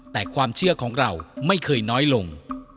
แต่ความเชื่อของเราไม่เคยน้อยลง